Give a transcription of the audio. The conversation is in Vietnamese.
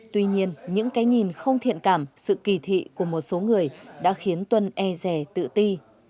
tuy nhiên những cái nhìn không thiện cảm sự kỳ thị của một số người đã khiến tuân e rè tự ti